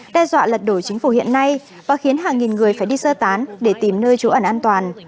đe dọa lật đổi chính phủ hiện nay và khiến hàng nghìn người phải đi sơ tán để tìm nơi trú ẩn an toàn